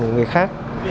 của người khác